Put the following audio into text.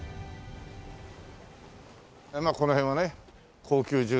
まあこの辺はね高級住宅街の。